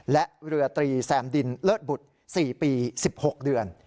และเรือตรีแซมดินเลิศบุตร๔ปี๑๖เดือน